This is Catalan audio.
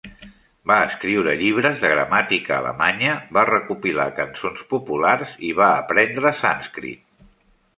Va escriure llibres de gramàtica alemanya, va recopilar cançons populars i va aprendre sànscrit.